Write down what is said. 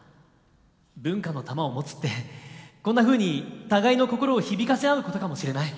文化の玉を持つってこんなふうに互いの心を響かせ合うことかもしれない。